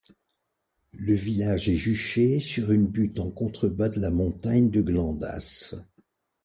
Le village est juché sur une butte en contrebas de la montagne de Glandasse.